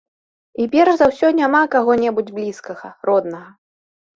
І перш за ўсё няма каго-небудзь блізкага, роднага.